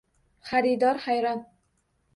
Xaridor hayron.